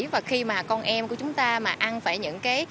và khi mà con em của chúng ta mà ăn phải những cái